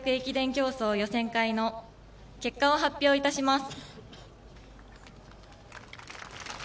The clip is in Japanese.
競走予選会の結果を発表いたします。